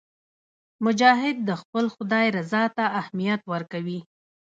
مجاهد د خپل خدای رضا ته اهمیت ورکوي.